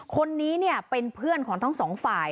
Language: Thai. คนนี้เนี่ยเป็นเพื่อนของทั้งสองฝ่าย